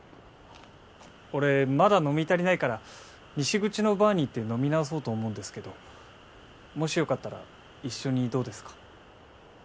俺まだ飲み足りないから西口のバーに行って飲み直そうと思うんですけどもしよかったら一緒にどうですか？